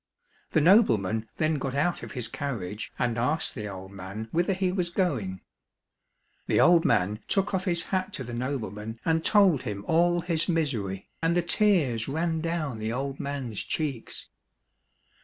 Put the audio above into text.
The nobleman then got out of his carriage and asked the old man whither he was going. The old man" took off his hat to the nobleman and told him all his misery, and the tears ran down the old man's cheeks.